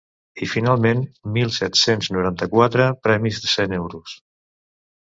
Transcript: I, finalment, mil set-cents noranta-quatre premis de cent euros.